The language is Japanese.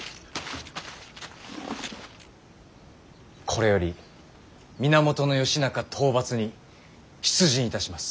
これより源義仲討伐に出陣いたします。